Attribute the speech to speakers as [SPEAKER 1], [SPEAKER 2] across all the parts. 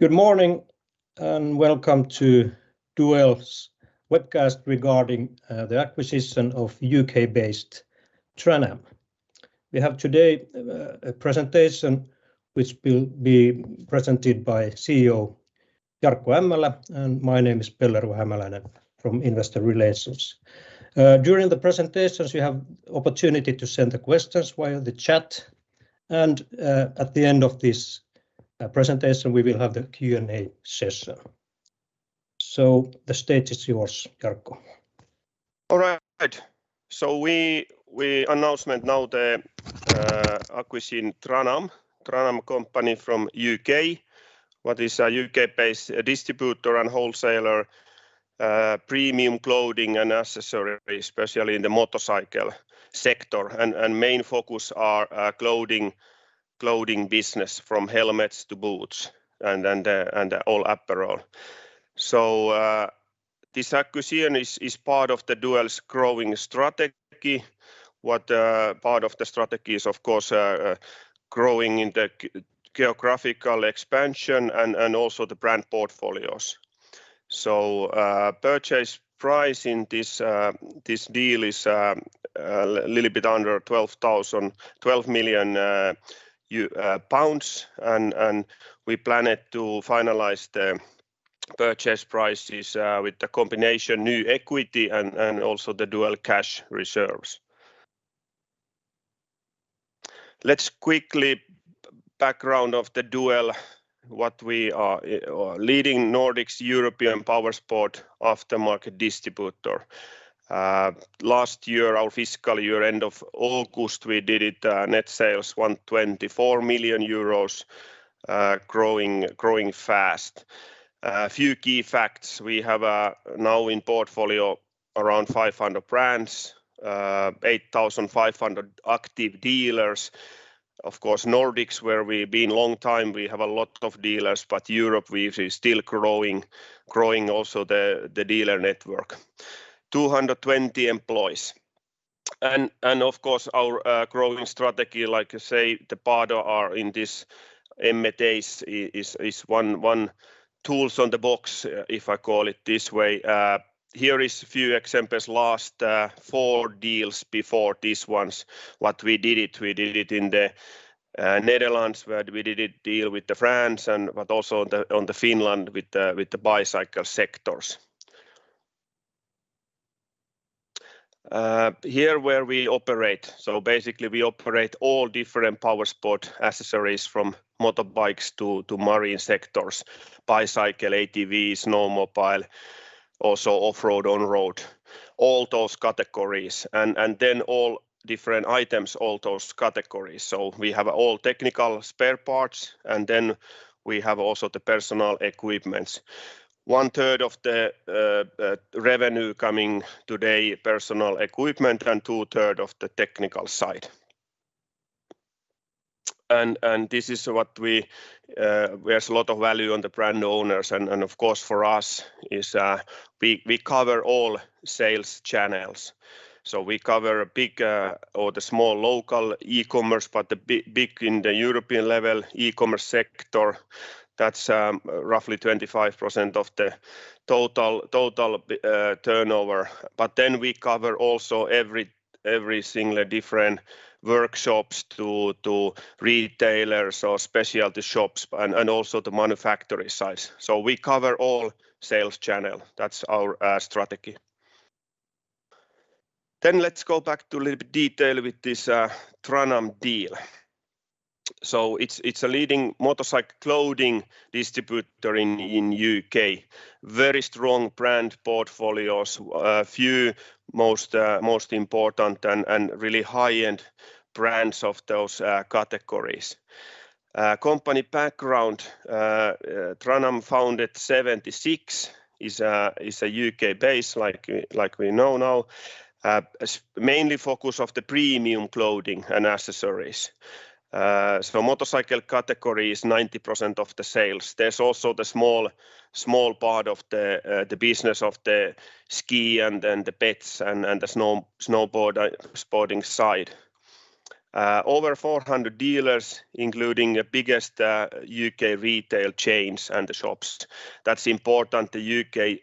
[SPEAKER 1] Good morning and welcome to Duell's webcast regarding the acquisition of U.K.-based Tran-Am. We have today a presentation which will be presented by CEO Jarkko Ämmälä. My name is Pellervo Hämäläinen from Investor Relations. During the presentations, you have opportunity to send the questions via the chat and at the end of this presentation, we will have the Q&A session. The stage is yours, Jarkko.
[SPEAKER 2] All right. We announcement now the acquiring Tran-Am. Tran-Am company from U.K., what is a U.K.-based distributor and wholesaler, premium clothing and accessories, especially in the motorcycle sector. Main focus are clothing business from helmets to boots and all apparel. This acquisition is part of the Duell's growing strategy. What part of the strategy is of course, growing in the geographical expansion and also the brand portfolios. Purchase price in this deal is little bit under 12 million pounds and we plan it to finalize the purchase prices with the combination new equity and also the Duell cash reserves. Let's quickly background of the Duell, what we are. Leading Nordics European powersport aftermarket distributor. Last year, our fiscal year end of August, we did net sales 124 million euros, growing fast. A few key facts. We have now in portfolio around 500 brands, 8,500 active dealers. Of course, Nordics, where we've been long time, we have a lot of dealers, but Europe is still growing also the dealer network. 220 employees. Of course our growing strategy, like you say, the part of our in this M&As is one tools on the box, if I call it this way. Here is a few examples. Last four deals before this ones, what we did it. We did it in the Netherlands, where we did a deal with the France, and also on the Finland with the bicycle sectors. Here where we operate. Basically we operate all different powersport accessories from motorbikes to marine sectors, bicycle, ATVs, snowmobile, also off-road, on-road, all those categories, and then all different items, all those categories. We have all technical spare parts, and then we have also the personal equipments. 1/3 of the revenue coming today personal equipment and 2/3 of the technical side. This is what we. There's a lot of value on the brand owners. Of course for us is, we cover all sales channels. We cover big, or the small local e-commerce, but the big in the European level e-commerce sector, that's roughly 25% of the total turnover. We cover also every single different workshops to retailers or specialty shops and also the manufacturer size. We cover all sales channel. That's our strategy. Let's go back to a little bit detail with this Tran-Am deal. It's a leading motorcycle clothing distributor in U.K. Very strong brand portfolios, a few most important and really high-end brands of those categories. Company background. Tran-Am founded 1976. Is a U.K.-based like we know now. Mainly focus of the premium clothing and accessories. Motorcycle category is 90% of the sales. There's also the small part of the business of the ski and then the pets and the snowboard sporting side. Over 400 dealers, including the biggest U.K. retail chains and shops. That's important. The U.K.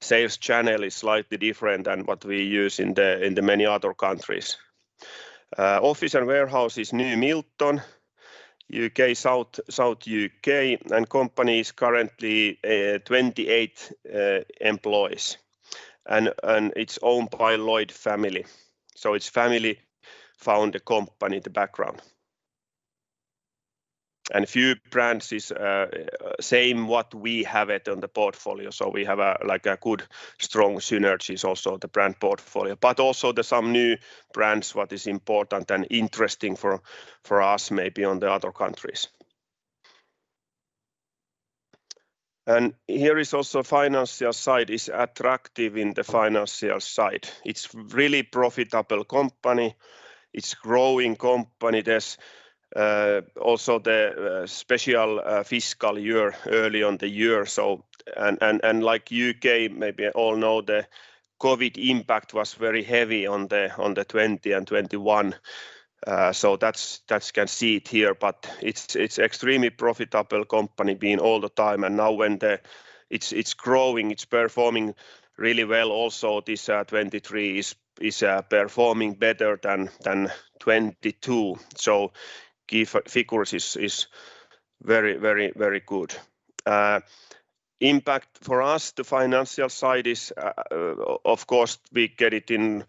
[SPEAKER 2] sales channel is slightly different than what we use in the many other countries. Office and warehouse is New Milton, U.K., South U.K., and company is currently 28 employees. It's owned by Lloyd family. It's family founded company, the background. A few brands is same what we have it on the portfolio. We have a like a good strong synergies also the brand portfolio, but also there's some new brands what is important and interesting for us maybe on the other countries. Here is also financial side, is attractive in the financial side. It's really profitable company. It's growing company. There's also the special fiscal year early on the year. U.K. maybe all know the COVID impact was very heavy on the 2020 and 2021. That's can see it here, but it's extremely profitable company being all the time. Now when the... It's growing, it's performing really well also this 2023 is performing better than 2022. Key figures is very good. Impact for us, the financial side is, of course we get it in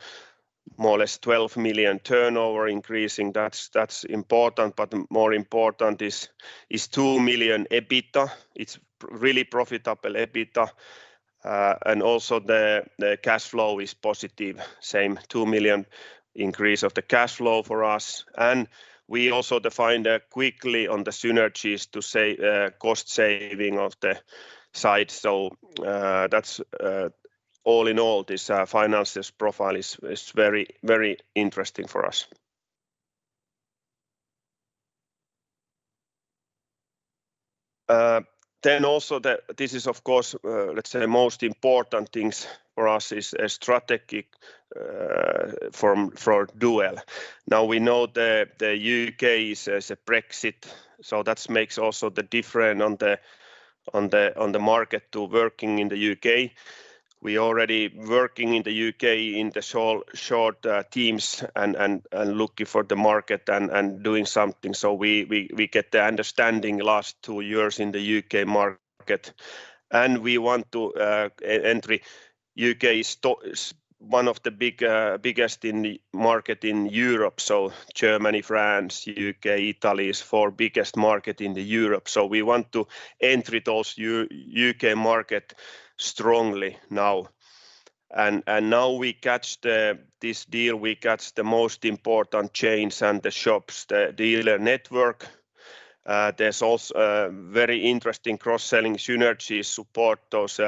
[SPEAKER 2] more or less 12 million turnover increasing. That's important, but more important is 2 million EBITDA. It's really profitable EBITDA. Also the cash flow is positive. Same 2 million increase of the cash flow for us. We also defined, quickly on the synergies to say, cost saving of the site. That's, all in all, this finances profile is very interesting for us. Also this is of course, let's say the most important things for us is a strategic, for Duell. We know the U.K. is a Brexit, so that makes also the difference on the market to working in the U.K. We already working in the U.K. in the short teams and looking for the market and doing something. We get the understanding last two years in the U.K. market. We want to e-entry U.K. is one of the biggest in the market in Europe. Germany, France, U.K., Italy is four biggest market in Europe. We want to entry those U.K. market strongly now. Now we catch this deal, we catch the most important chains and the shops, the dealer network. There's also very interesting cross-selling synergy support those,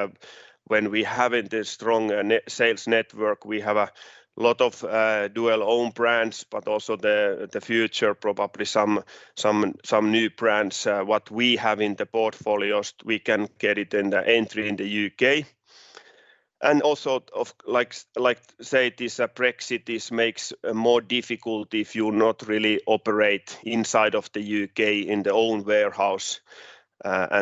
[SPEAKER 2] when we having the strong sales network. We have a lot of Duell own brands, but also the future probably some new brands, what we have in the portfolios, we can get it in the entry in the U.K. Also of like say this Brexit, this makes more difficult if you not really operate inside of the U.K. in the own warehouse.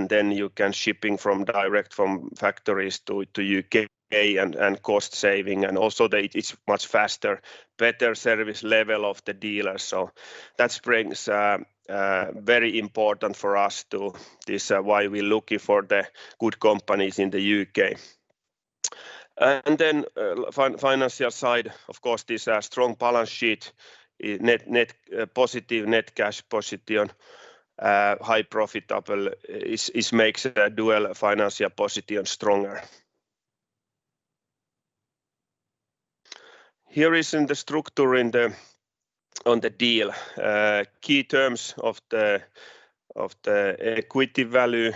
[SPEAKER 2] Then you can shipping from direct from factories to U.K. and cost saving. Also the, it's much faster, better service level of the dealer. That brings, very important for us to this, why we looking for the good companies in the U.K. Then, financial side, of course, this strong balance sheet, net, positive net cash position, high profitable is makes the Duell financial position stronger. Here is in the structure on the deal. Key terms of the equity value.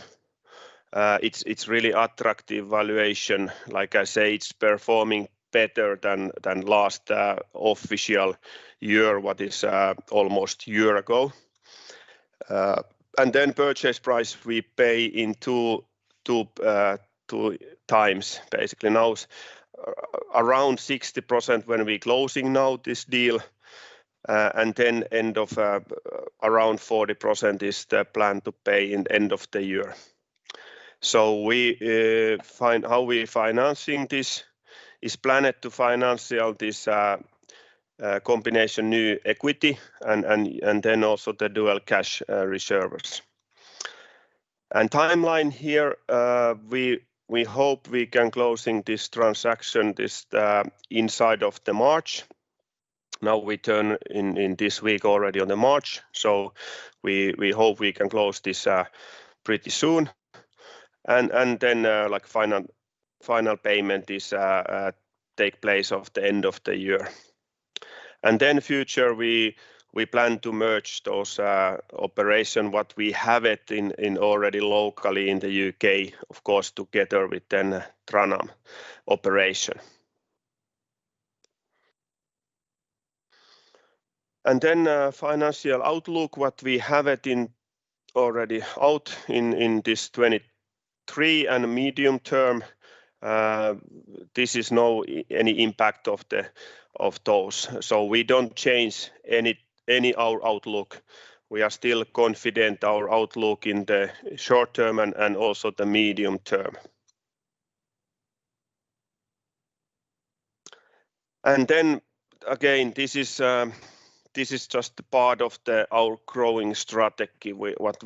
[SPEAKER 2] It's really attractive valuation. Like I say, it's performing better than last official year, what is almost year ago. Then purchase price we pay in 2x basically. Now around 60% when we closing now this deal. End of, around 40% is the plan to pay in end of the year. We find how we financing this is planned to financial this combination new equity and then also the Duell cash reserves. Timeline here, we hope we can closing this transaction inside of the March. Now we turn in this week already on the March. We hope we can close this pretty soon. Like final payment is take place of the end of the year. Future we plan to merge those operation, what we have it in already locally in the U.K., of course together with then Tran-Am operation. Then, financial outlook, what we have it in already out in this 2023 and medium term. This is no any impact of the, of those. We don't change any our outlook. We are still confident our outlook in the short term and also the medium term. Then again, this is just part of the, our growing strategy. What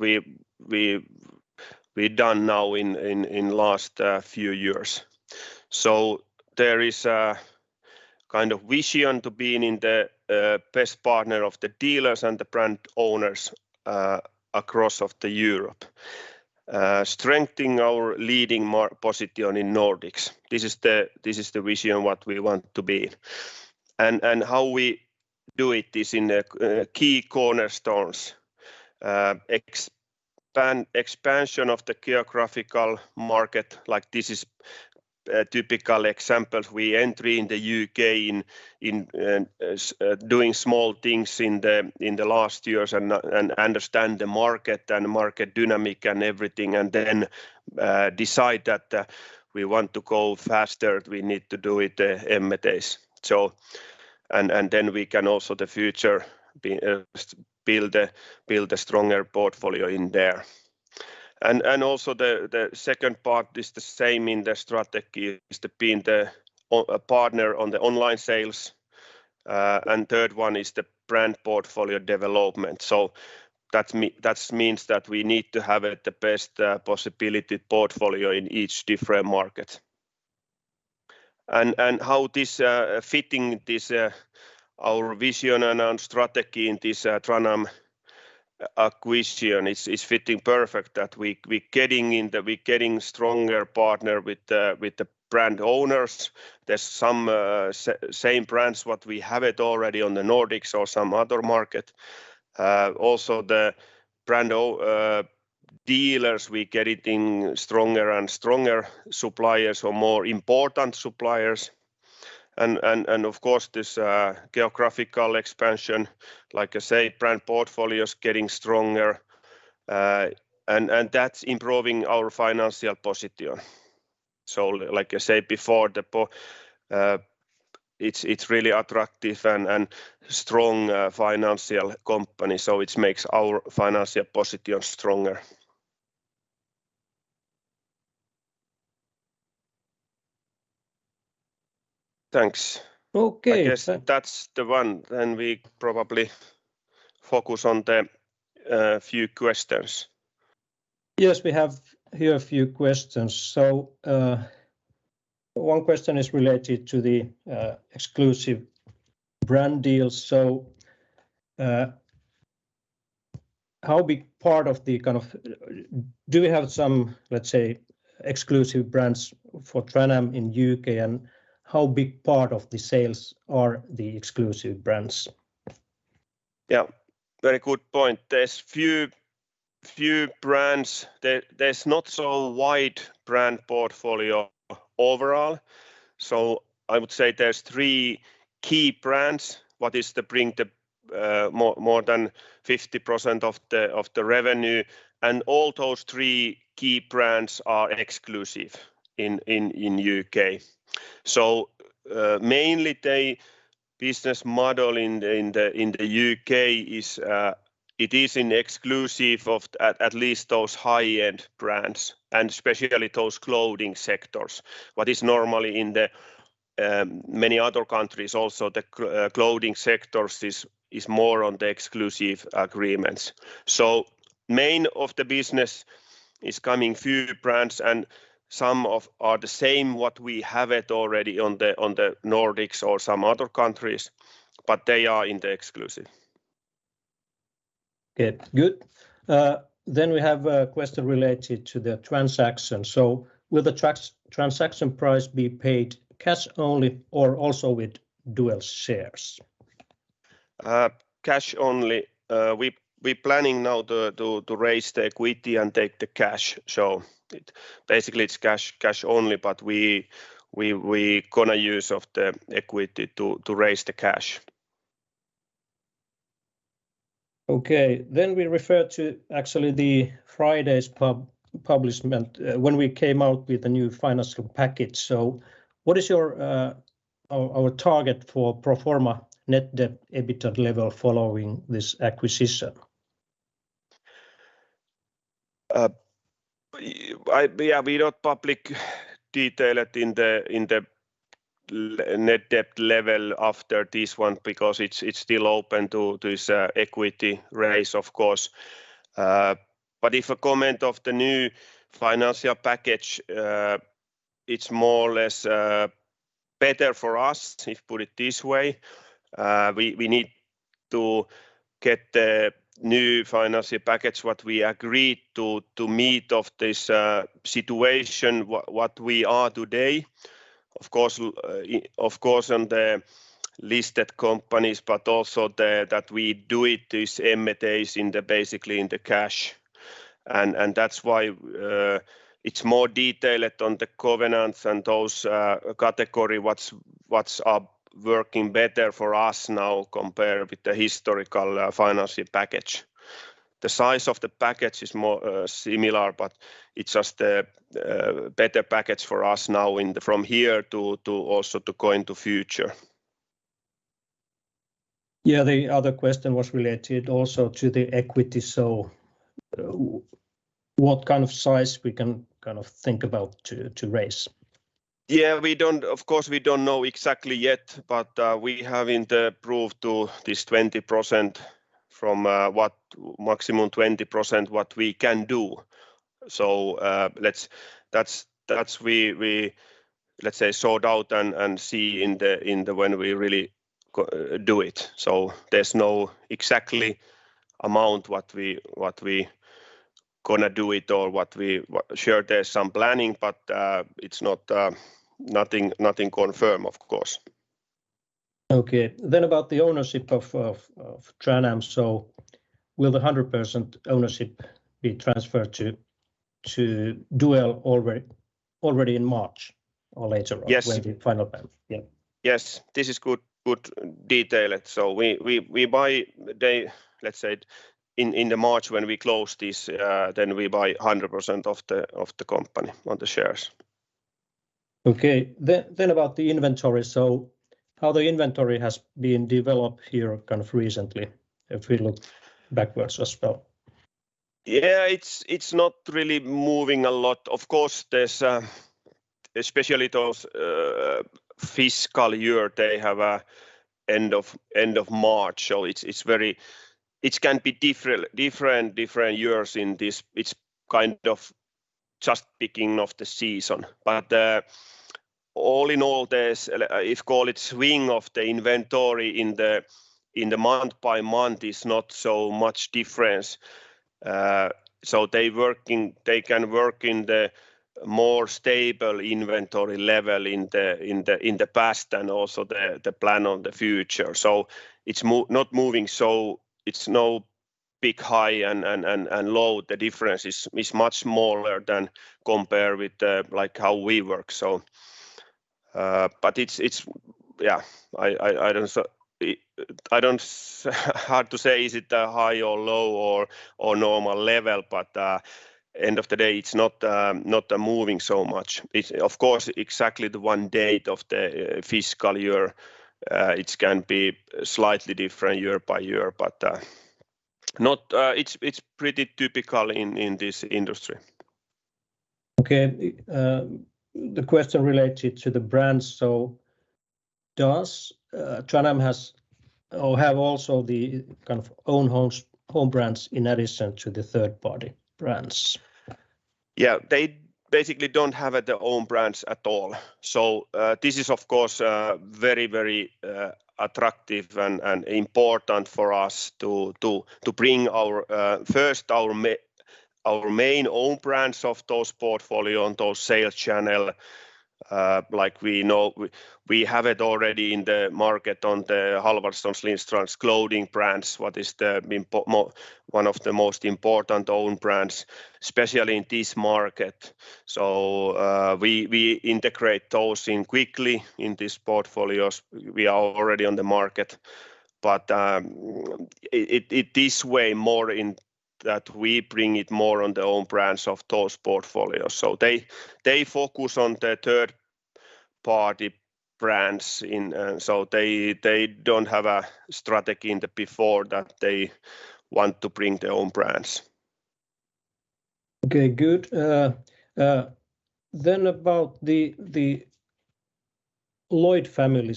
[SPEAKER 2] we've done now in last few years. There is a kind of vision to being in the best partner of the dealers and the brand owners, across of the Europe. Strengthening our leading position in Nordics. This is the vision what we want to be. How we do it is in the key cornerstones. Expansion of the geographical market, like this is A typical example. We entry in the U.K. in doing small things in the last years and understand the market and market dynamic and everything. Then decide that we want to go faster, we need to do it M&As. Then we can also the future build a stronger portfolio in there. Also the second part is the same in the strategy is to be in the partner on the online sales. Third one is the brand portfolio development. That means that we need to have it the best possibility portfolio in each different market. How this fitting our vision and our strategy in this Tran-Am acquisition is fitting perfect that we're getting stronger partner with the brand owners. There's some same brands what we have it already on the Nordics or some other market. Also the brand dealers, we're getting stronger suppliers or more important suppliers. Of course this geographical expansion, like I say, brand portfolio is getting stronger. That's improving our financial position. Like I said before, it's really attractive and strong financial company, so it makes our financial position stronger. Thanks.
[SPEAKER 1] Okay.
[SPEAKER 2] I guess that's the one. We probably focus on the few questions.
[SPEAKER 1] Yes, we have here a few questions. One question is related to the exclusive brand deals. Do we have some, let's say, exclusive brands for Tran-Am in U.K., and how big part of the sales are the exclusive brands?
[SPEAKER 2] Yeah. Very good point. There's few brands. There's not so wide brand portfolio overall, so I would say there's three key brands what is the bring the more than 50% of the revenue, and all those three key brands are exclusive in U.K. Mainly the business model in the U.K. is it is in exclusive of at least those high-end brands, and especially those clothing sectors. What is normally in the many other countries also, the clothing sectors is more on the exclusive agreements. Main of the business is coming few brands and some of are the same what we have it already on the Nordics or some other countries, but they are in the exclusive.
[SPEAKER 1] Okay. Good. We have a question related to the transaction. Will the transaction price be paid cash only or also with Duell shares?
[SPEAKER 2] Cash only. We planning now to raise the equity and take the cash. Basically, it's cash only, but we going to use of the equity to raise the cash.
[SPEAKER 1] We refer to actually the Friday's publishment when we came out with the new financial package. What is your our target for pro forma Net Debt/EBITDA level following this acquisition?
[SPEAKER 2] Yeah, we don't public detail it in the Net Debt level after this one because it's still open to this equity raise of course. If a comment of the new financial package, it's more or less better for us, if put it this way. We need to get the new financial package what we agreed to meet of this situation what we are today. Of course, of course on the listed companies but also that we do this M&As basically in the cash and that's why it's more detailed on the covenants and those category what's working better for us now compared with the historical financial package. The size of the package is more similar, but it's just better package for us now from here to also to go into future.
[SPEAKER 1] Yeah. The other question was related also to the equity. What kind of size we can kind of think about to raise?
[SPEAKER 2] Yeah, of course, we don't know exactly yet, but we have in the proof to this 20% from what maximum 20% what we can do. That's we, let's say, sort out and see in the when we really do it. There's no exactly amount what we gonna do it. Sure there's some planning, but it's not nothing confirmed of course.
[SPEAKER 1] About the ownership of Tran-Am. Will the 100% ownership be transferred to Duell already in March or later?
[SPEAKER 2] Yes...
[SPEAKER 1] When the final plan? Yeah.
[SPEAKER 2] Yes. This is good detail. We buy they, let's say in the March when we close this, we buy 100% of the company, of the shares.
[SPEAKER 1] Okay. Then about the inventory. How the inventory has been developed here kind of recently, if we look backwards as well?
[SPEAKER 2] Yeah, it's not really moving a lot. Of course, there's especially those fiscal year, they have a end of March. It can be different years in this. It's kind of just beginning of the season. All in all there's if call it swing of the inventory in the month by month is not so much difference. They working, they can work in the more stable inventory level in the past and also the plan on the future. It's not moving, so it's no big high and low. The difference is much smaller than compare with like how we work. But it's yeah. I don't. Hard to say is it, high or low or normal level, but end of the day it's not not moving so much. It's of course exactly the one date of the fiscal year, it can be slightly different year by year, but not it's pretty typical in this industry.
[SPEAKER 1] Okay. The question related to the brands. Does Tran-Am has or have also the kind of own home brands in addition to the third-party brands?
[SPEAKER 2] Yeah. They basically don't have the own brands at all. This is of course very, very attractive and important for us to bring our first our main own brands of those portfolio on those sales channel, like we know. We have it already in the market on the Halvarssons, Lindstrands clothing brands, what is one of the most important own brands, especially in this market. We integrate those in quickly in this portfolios. We are already on the market. It this way more in that we bring it more on the own brands of those portfolios. They focus on the third party brands in... They don't have a strategy in the before that they want to bring their own brands.
[SPEAKER 1] About the Lloyd family.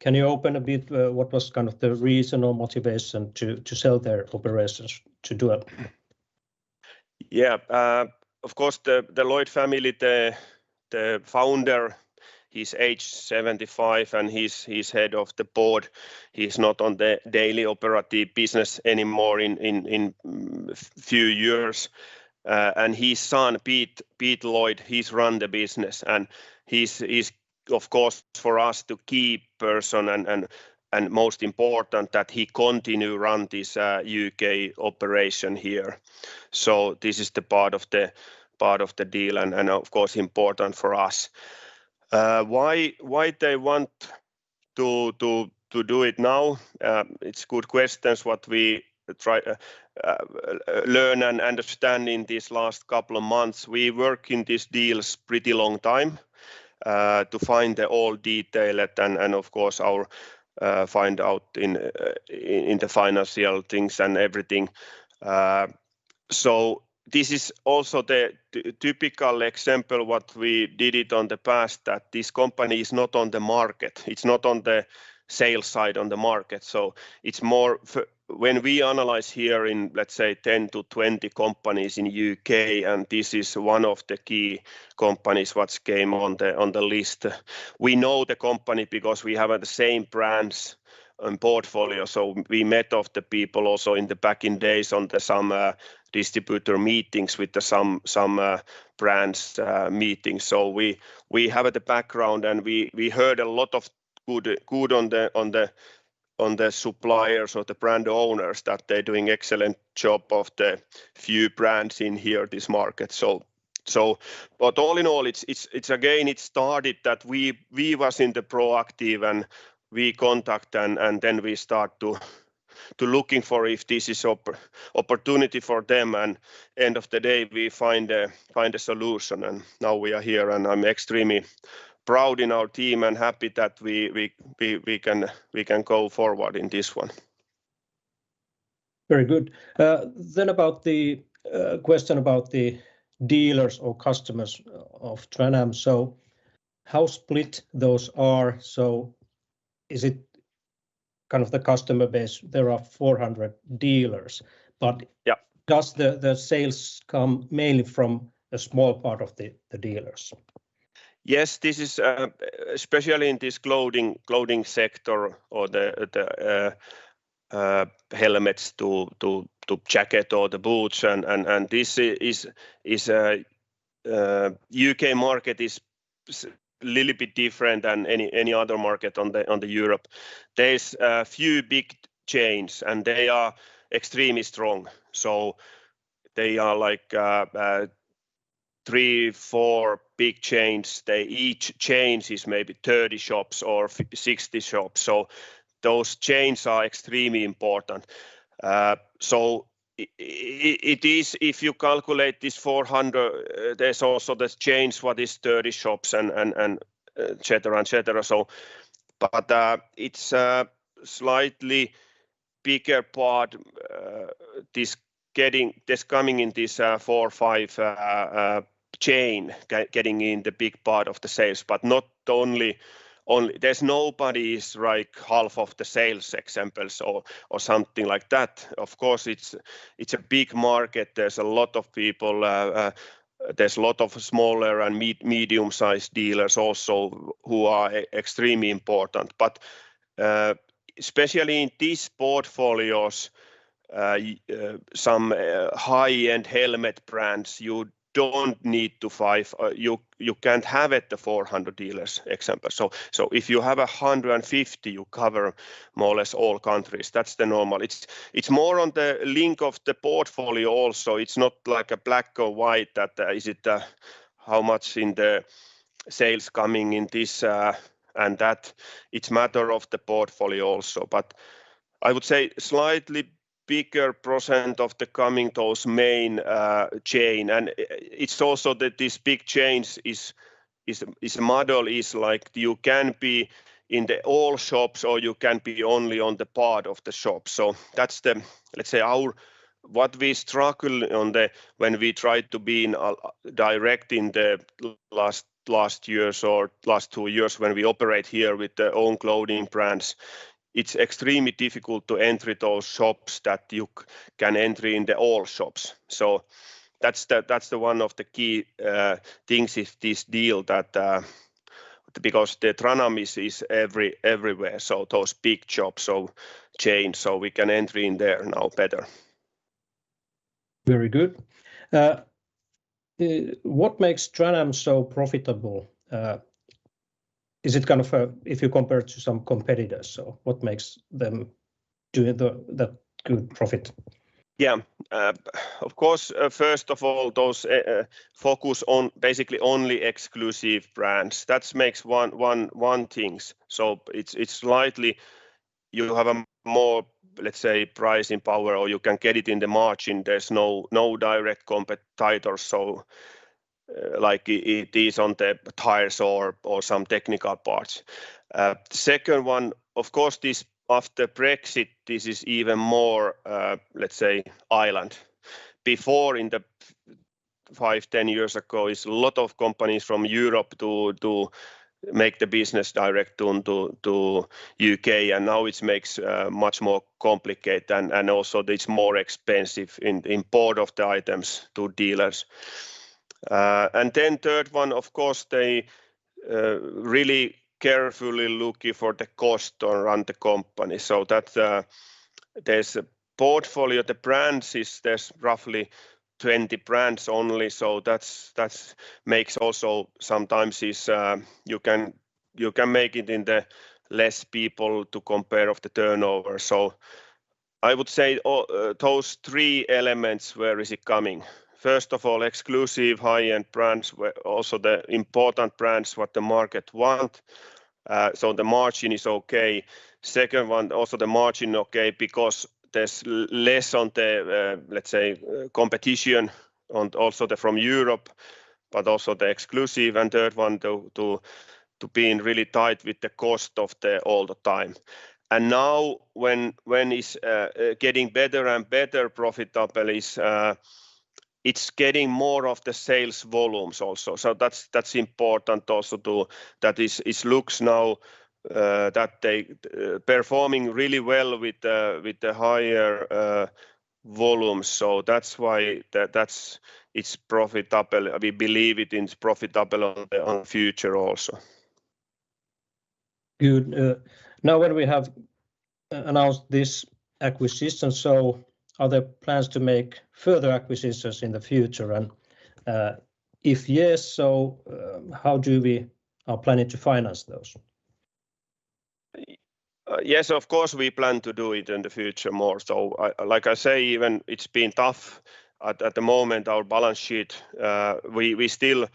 [SPEAKER 1] Can you open a bit what was kind of the reason or motivation to sell their operations to Duell?
[SPEAKER 2] Of course the Lloyd family, the founder, he's age 75 and he's head of the board. He's not on the daily operative business anymore in few years. And his son, Pete Lloyd, he's run the business and he's of course for us to keep person and most important that he continue run this U.K. operation here. This is the part of the deal and of course important for us. Why they want to do it now? It's good questions what we try learn and understand in these last couple of months. We work in these deals pretty long time to find the all detail it and of course our find out in the financial things and everything. This is also the typical example what we did it on the past that this company is not on the market. It's not on the sales side on the market. It's more when we analyze here in, let's say 10-20 companies in U.K., this is one of the key companies what came on the list. We know the company because we have the same brands and portfolio. We met of the people also in the back in days on the some distributor meetings with the some brands meetings. We have the background we heard a lot of good on the suppliers or the brand owners that they're doing excellent job of the few brands in here, this market. All in all, it's again, it started that we was in the proactive and we contact and then we start to looking for if this is opportunity for them and end of the day we find a solution and now we are here and I'm extremely proud in our team and happy that we can go forward in this one.
[SPEAKER 1] Very good. About the question about the dealers or customers of Tran-Am. How split those are? Is it kind of the customer base, there are 400 dealers, but...?
[SPEAKER 2] Yeah
[SPEAKER 1] Does the sales come mainly from a small part of the dealers?
[SPEAKER 2] Yes. This is especially in this clothing sector or the helmets to jacket or the boots and this is U.K. market is a little bit different than any other market on the Europe. There's a few big chains, they are extremely strong. They are like three, four big chains. They each chains is maybe 30 shops or 60 shops. Those chains are extremely important. It is if you calculate this 400, there's also this chains what is 30 shops and et cetera, et cetera. But it's a slightly bigger part, this coming in this four, five chain getting in the big part of the sales, but not only on. There's nobody's like half of the sales examples or something like that. Of course, it's a big market. There's a lot of people. There's a lot of smaller and medium-sized dealers also who are extremely important. Especially in this portfolios, some high-end helmet brands, you can't have it the 400 dealers example. If you have 150, you cover more or less all countries. That's the normal. It's more on the link of the portfolio also. It's not like a black or white that is it how much in the sales coming in this and that. It's matter of the portfolio also. I would say slightly bigger percent of the coming those main chain. It's also that this big chains is model is like you can be in the all shops or you can be only on the part of the shop. That's the, let's say our. What we struggle on the, when we try to be in direct in the last years or last two years when we operate here with the own clothing brands, it's extremely difficult to enter those shops that you can enter in the all shops. That's the one of the key things is this deal that because the Tran-Am is everywhere, so those big shops, so chain, so we can enter in there now better.
[SPEAKER 1] Very good. What makes Tran-Ams so profitable? Is it kind of, if you compare to some competitors? What makes them do the good profit?
[SPEAKER 2] Yeah. Of course, first of all, those focus on basically only exclusive brands. That makes one things. It's slightly you have a more, let's say, pricing power, or you can get it in the margin. There's no direct competitor. Like it is on the tires or some technical parts. Second one, of course, this after Brexit, this is even more, let's say island. Before in the five, 10 years ago, it's a lot of companies from Europe to make the business direct on to U.K. Now it makes much more complicated and also it's more expensive in import of the items to dealers. Then third one, of course, they really carefully looking for the cost to run the company. That's there's a portfolio. The brands is there's roughly 20 brands only. That's makes also sometimes is, you can make it in the less people to compare of the turnover. I would say all three elements where is it coming. First of all, exclusive high-end brands were also the important brands what the market want. The margin is okay. Second one, also the margin okay because there's less on the, let's say competition and also the from Europe, but also the exclusive. Third one to being really tight with the cost of the all the time. Now when it's getting better and better profitable is, it's getting more of the sales volumes also. That's important also to... That is looks now, that they, performing really well with the higher, volumes. That's why that's, it's profitable. We believe it is profitable on future also.
[SPEAKER 1] Good. Now that we have announced this acquisition, are there plans to make further acquisitions in the future? If yes, how do we are planning to finance those?
[SPEAKER 2] Yes, of course we plan to do it in the future more. Like I say, even it's been tough at the moment, our balance sheet, we still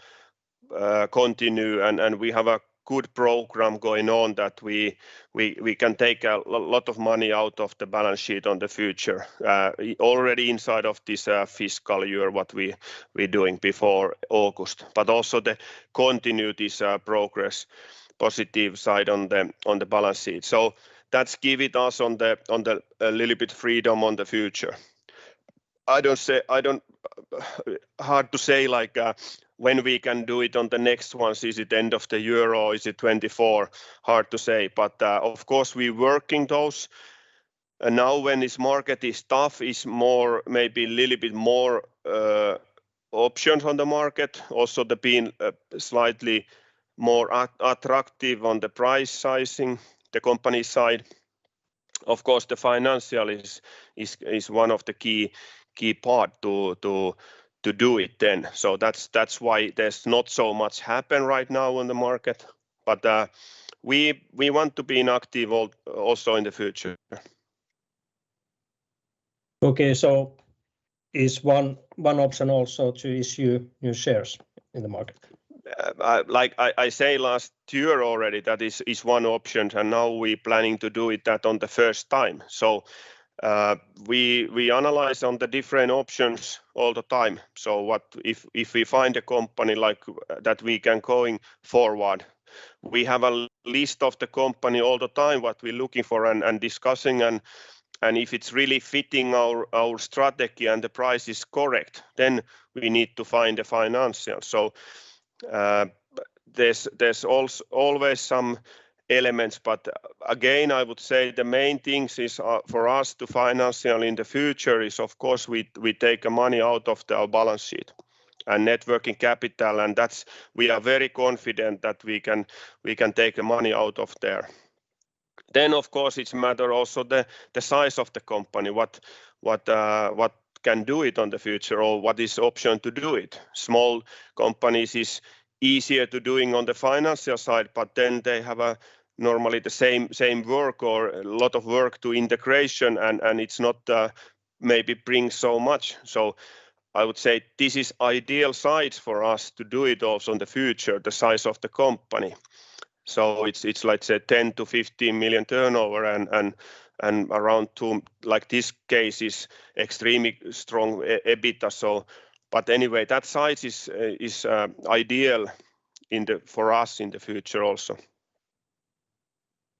[SPEAKER 2] continue and we have a good program going on that we can take a lot of money out of the balance sheet on the future, already inside of this fiscal year, what we're doing before August. Also the continue this progress positive side on the balance sheet. That's giving us on the a little bit freedom on the future. I don't say. Hard to say like when we can do it on the next ones. Is it end of the year or is it 2024? Hard to say. Of course we working those. Now when its market is tough, it's more maybe little bit more options on the market. Also the being slightly more attractive on the price sizing, the company side. Of course, the financial is one of the key part to do it then. That's why there's not so much happen right now on the market. We want to be an active also in the future.
[SPEAKER 1] Okay. Is one option also to issue new shares in the market?
[SPEAKER 2] I say last year already, that is one option and now we're planning to do it that on the first time. We analyze on the different options all the time. What if we find a company like that, we can going forward. We have a list of the company all the time what we're looking for and discussing and if it's really fitting our strategy and the price is correct, we need to find the financial. There's always some elements, but again, I would say the main things is for us to financial in the future is of course we take money out of the balance sheet and net working capital. We are very confident that we can take the money out of there. Of course it's matter also the size of the company, what can do it on the future or what is option to do it. Small companies is easier to doing on the financial side, they have normally the same work or a lot of work to integration and it's not maybe bring so much. I would say this is ideal size for us to do it also in the future, the size of the company. It's like, say, 10 million-15 million turnover and around 2 million, like this case is extremely strong EBITDA. Anyway, that size is ideal for us in the future also.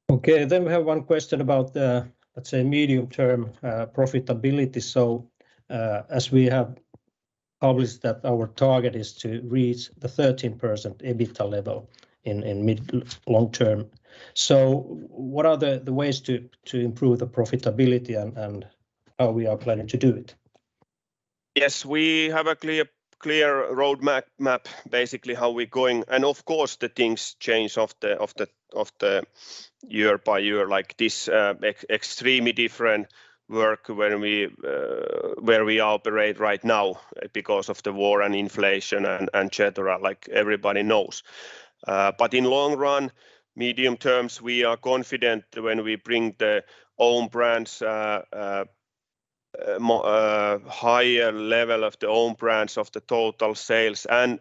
[SPEAKER 1] We have one question about the, let's say, medium term, profitability. As we have published that our target is to reach the 13% EBITDA level in mid long term. What are the ways to improve the profitability and how we are planning to do it?
[SPEAKER 2] Yes, we have a clear roadmap, basically how we're going. Of course the things change of the, of the, of the year by year like this, extremely different work where we operate right now because of the war and inflation and et cetera, like everybody knows. In long run, medium terms, we are confident when we bring the own brands more higher level of the own brands of the total sales and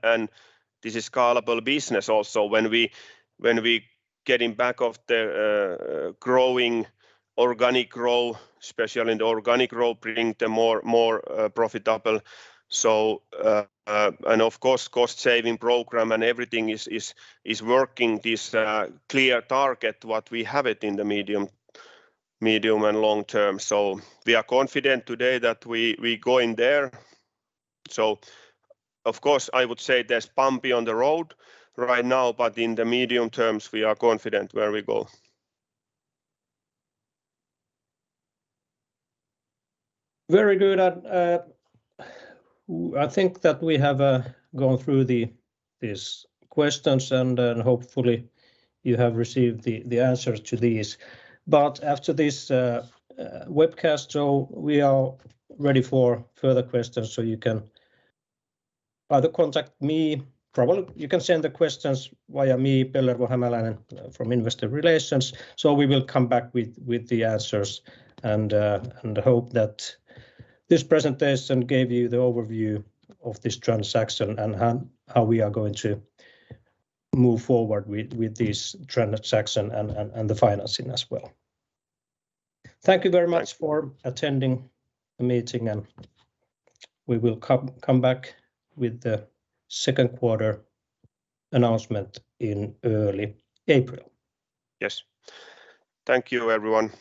[SPEAKER 2] this is scalable business also. When we, when we getting back of the growing organic growth, especially in the organic growth, bringing the more profitable. And of course, cost saving program and everything is working this clear target what we have it in the medium and long term. We are confident today that we go in there. Of course, I would say there's bumpy on the road right now, but in the medium terms we are confident where we go.
[SPEAKER 1] Very good. I think that we have gone through the, these questions and then hopefully you have received the answers to these. After this webcast, we are ready for further questions. You can either contact me, well, you can send the questions via me, Pellervo Hämäläinen, from Investor Relations. We will come back with the answers and hope that this presentation gave you the overview of this transaction and how we are going to move forward with this transaction and the financing as well. Thank you very much for attending the meeting and we will come back with the second quarter announcement in early April.
[SPEAKER 2] Yes. Thank you everyone.